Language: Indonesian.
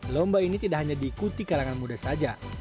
lomba ini tidak hanya diikuti kalangan muda saja